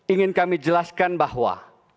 ingin kami jelaskan bahwa